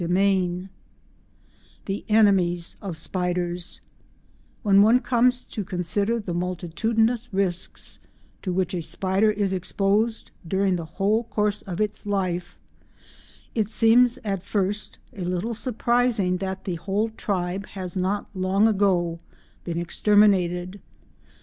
CHAPTER XIV THE ENEMIES OF SPIDERS When one comes to consider the multitudinous risks to which a spider is exposed during the whole course of its life it seems at first a little surprising that the whole tribe has not long ago been exterminated.